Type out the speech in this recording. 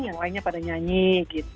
yang lainnya pada nyanyi gitu